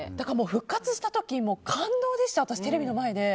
復活した時、感動でした、私テレビの前で。